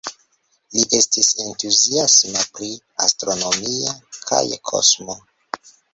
Li estis entuziasma pri astronomio kaj kosmo.